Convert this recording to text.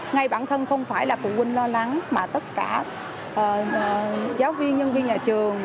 ngay bản thân không phải là phụ huynh lo lắng mà tất cả giáo viên nhân viên nhà trường